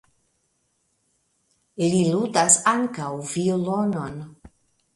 Li ludas ankaŭ violonon.